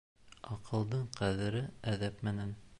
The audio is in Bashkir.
Аҡылдың ҡәҙере әҙәп менән